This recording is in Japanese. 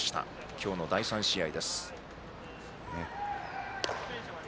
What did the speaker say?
今日の第３試合。